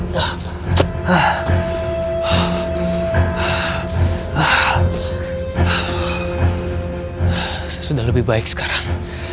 nah sudah lebih baik sekarang